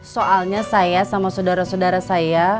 soalnya saya sama saudara saudara saya